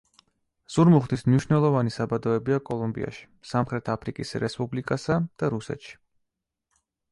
ზურმუხტის მნიშვნელოვანი საბადოებია კოლუმბიაში, სამხრეთ აფრიკის რესპუბლიკასა და რუსეთში.